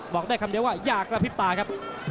บอกได้คำเดียวว่าอย่ากระพริบตาครับ